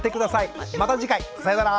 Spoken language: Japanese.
また次回さよなら。